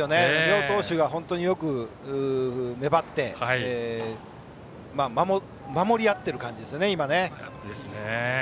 両投手が本当によく粘って守り合っている感じですね。